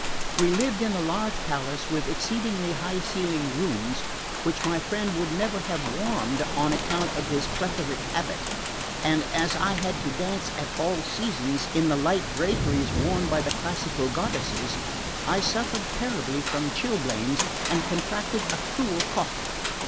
We lived in a large palace with exceedingly high ceilinged rooms, which my friend would never have warmed on account of his plethoric habit, and as I had to dance at all seasons in the light draperies worn by the classical goddesses, I suffered terribly from chilblains and contracted a cruel cough.